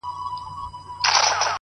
څوک چي له گلاب سره ياري کوي،